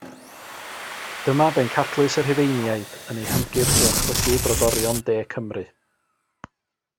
Dyma bencadlys y Rhufeiniaid yn eu hymgyrch i orchfygu brodorion De Cymru.